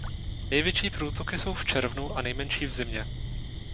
Největší průtoky jsou v červnu a nejmenší v zimě.